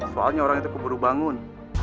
soalnya orang itu keburu bangun